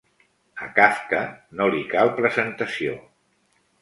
A Kafka no li cal presentació.